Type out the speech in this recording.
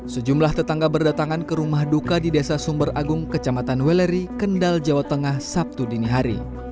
sejumlah tetangga berdatangan ke rumah duka di desa sumber agung kecamatan weleri kendal jawa tengah sabtu dini hari